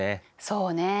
そうね。